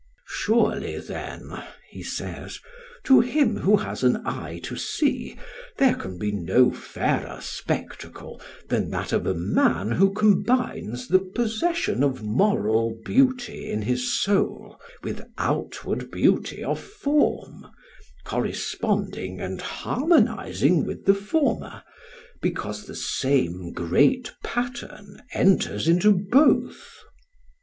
"Surely then," he says, "to him who has an eye to see, there can be no fairer spectacle than that of a man who combines the possession of moral beauty in his soul with outward beauty of form, corresponding and harmonizing with the former, because the same great pattern enters into both.